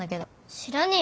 知らねえよ